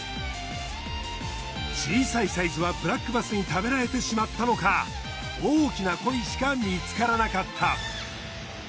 小さいサイズはブラックバスに食べられてしまったのか大きなコイしか見つからなかった。